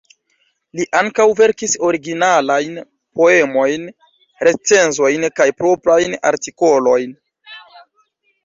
Li ankaŭ verkis originalajn poemojn, recenzojn kaj proprajn artikolojn.